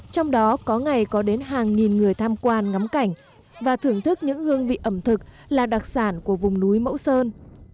trong đó có ngày có đến hàng nghìn người tham quan ngắm cảnh và thưởng thức những hương vị ẩm thực là đặc sản của vùng núi mẫu sơn